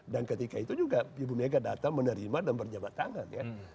dan ketika itu juga ibu mega datang menerima dan berjabat tangan